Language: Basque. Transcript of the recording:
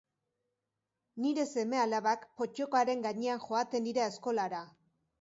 Nire seme-alabak pottokaren gainean joaten dira eskolara.